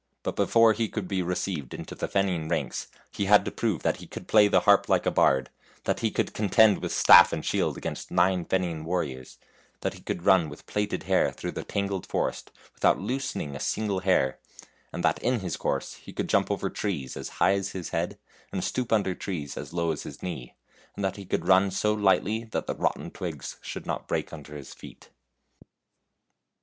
But before he could be received into the Fenian ranks he had to prove that he could play the harp like a bard, that he could contend with staff and shield against nine Fenian warriors, that he could run with plaited hair through the tangled forest without loosening a single hair, and that in his course he could jump over trees as high as his head, and stoop under trees as low as his knee, and that he could run so lightly that the rotten twigs should not break under his feet.